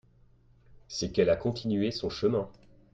C'est qu'elle a continué son chemin.